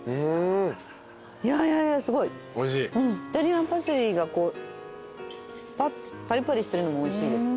イタリアンパセリがパリパリしてるのもおいしいです。